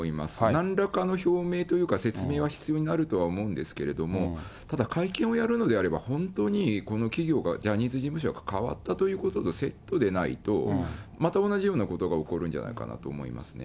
なんらかの表明というか、説明は必要になるとは思うんですけれども、ただ、会見をやるのであれば、本当にこの企業が、ジャニーズ事務所が変わったということとセットでないと、また同じようなことが起こるんじゃないかなと思いますね。